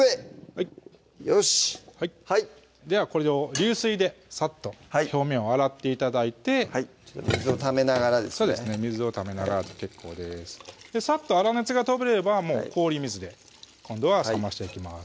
はいよしはいではこれを流水でさっと表面を洗って頂いて水をためながらですね水をためながらで結構ですさっと粗熱が取れれば氷水で今度は冷ましておきます